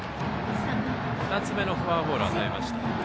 ２つ目のフォアボールを与えました。